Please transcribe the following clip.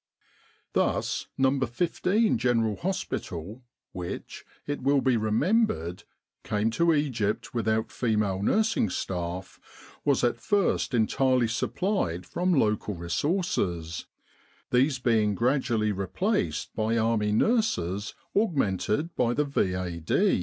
Thus No. 15 General Hospital, which, it will be remembered, came to Egypt without female nursing staff, was at first entirely supplied from local re 37 With the R.A.M.C. in Egypt sources, these being gradually replaced by Army nurses augmented by the V.A.